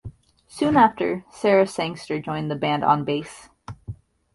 Soon after, Sarah Sangster joined the band on bass.